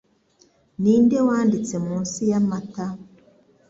Ninde Wanditse Munsi Yamata